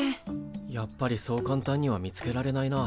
やっぱりそう簡単には見つけられないな。